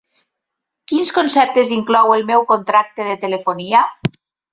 Quins conceptes inclou el meu contracte de telefonia?